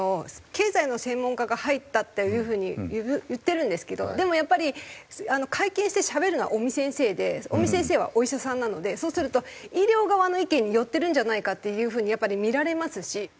経済の専門家が入ったっていう風に言ってるんですけどでもやっぱり会見してしゃべるのは尾身先生で尾身先生はお医者さんなのでそうすると医療側の意見に寄ってるんじゃないかっていう風にやっぱり見られますし。